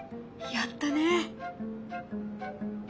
やったね。